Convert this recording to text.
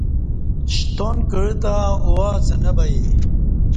شتان کعہ تہ اواڅں نہ بیے